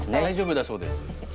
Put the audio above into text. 大丈夫だそうです。